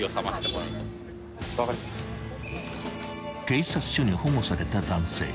［警察署に保護された男性］